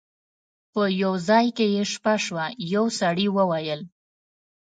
په یو ځای کې یې شپه شوه یو سړي وویل.